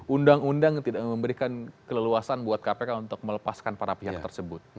undang undang tidak memberikan keleluasan buat kpk untuk melepaskan para pihak tersebut